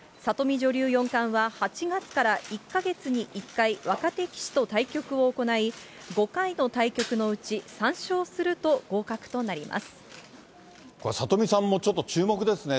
里見女流四冠は、８月から１か月に１回、若手棋士と対局を行い、５回の対局のうち、これ、里見さんもちょっと注目ですね。